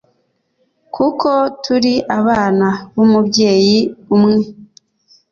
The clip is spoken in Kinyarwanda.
kuko turi abana b’Umubyeyi umwe